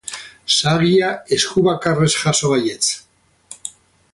Zahagia esku bakarrez jaso baietz.